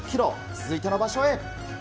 続いての場所へ。